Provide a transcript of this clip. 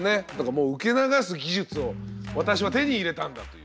もう受け流す技術を私は手に入れたんだという。